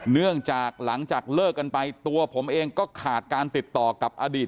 เนื่องจากหลังจากเลิกกันไปตัวผมเองก็ขาดการติดต่อกับอดีต